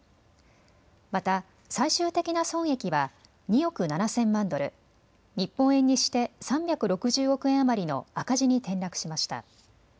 また最終的な損益は２億７０００万ドル、日本円にして３６０億円余りの赤字に転落しました。